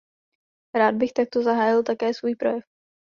Rád bych takto zahájil také svůj projev.